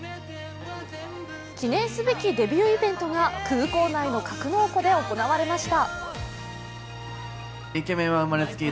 記念すべきデビューイベントが空港内の格納庫で行われました。